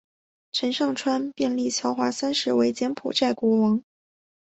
陈上川便立乔华三世为柬埔寨国王。